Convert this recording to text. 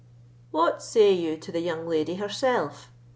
"What say you to the young lady herself?"